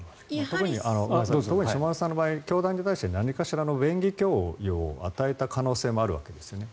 特に下村さんの場合教団に対して何かしらの便宜供与を与えた可能性もあるわけですね。